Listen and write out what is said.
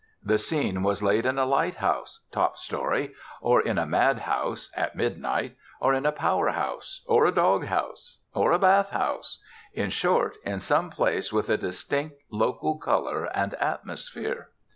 The scene was laid in a lighthouse (top story), or in a mad house (at midnight), or in a power house, or a dog house, or a bath house, in short, in some place with a distinct local color and atmosphere.